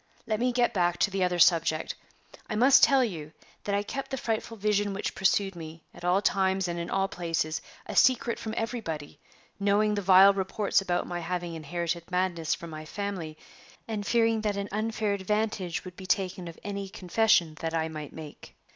Let me get back to the other subject. I must tell you that I kept the frightful vision which pursued me, at all times and in all places, a secret from everybody, knowing the vile reports about my having inherited madness from my family, and fearing that an unfair advantage would be taken of any confession that I might make.